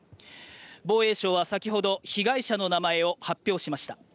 防衛省は先ほど被害者の名前を発表しました。